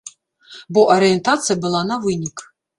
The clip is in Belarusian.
Бо арыентацыя была на вынік.